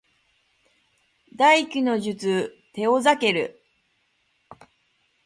第九の術テオザケル